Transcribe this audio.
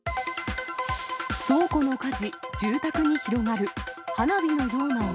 倉庫の火事、住宅に広がる。